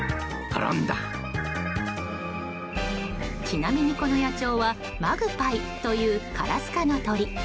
ちなみに、この野鳥はマグパイというカラス科の鳥。